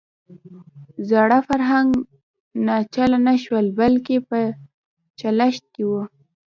زاړه فرانک ناچله نه شول بلکې په چلښت کې وو.